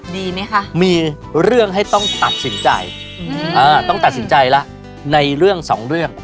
ดีไหมคะมีเรื่องให้ต้องตัดสินใจต้องตัดสินใจแล้วในเรื่องสองเรื่อง